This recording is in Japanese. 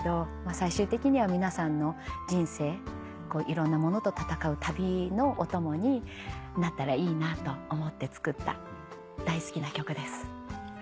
最終的には皆さんの人生いろんなものと戦う旅のお供になったらいいなと思って作った大好きな曲です。